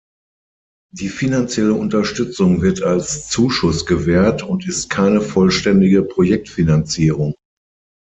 Die finanzielle Unterstützung wird als Zuschuss gewährt und ist keine vollständige Projektfinanzierung.